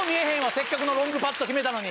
せっかくロングパット決めたのに。